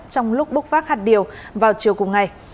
trong lúc búc vác hạt điều vào chiều cùng ngày